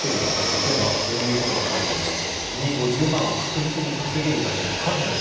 例えばこういうことが書いてあります。